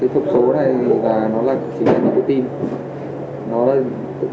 thuốc lá điện tử là thuốc lá điện tử